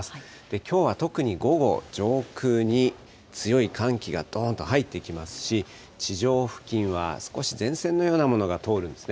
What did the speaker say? きょうは特に午後、上空に強い寒気がどーんと入ってきますし、地上付近は少し前線のようなものが通るんですね。